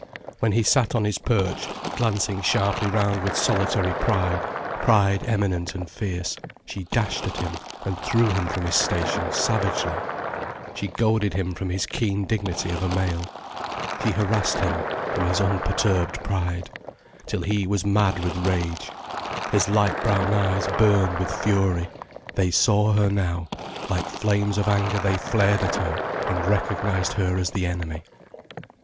When he sat on his perch glancing sharply round with solitary pride, pride eminent and fierce, she dashed at him and threw him from his station savagely, she goaded him from his keen dignity of a male, she harassed him from his unperturbed pride, till he was mad with rage, his light brown eyes burned with fury, they saw her now, like flames of anger they flared at her and recognized her as the enemy.